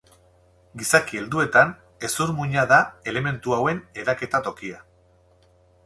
Gizaki helduetan hezur muina da elementu hauen eraketa tokia.